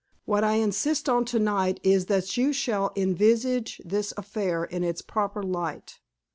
What I insist on to night is that you shall envisage this affair in its proper light.